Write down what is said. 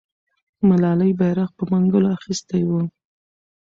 ملالۍ بیرغ په منګولو اخیستی وو.